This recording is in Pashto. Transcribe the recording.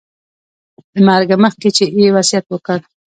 له مرګه مخکې یې وصیت وکړ.